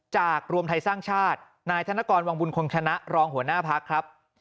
รวมไทยสร้างชาตินายธนกรวังบุญคงชนะรองหัวหน้าพักครับ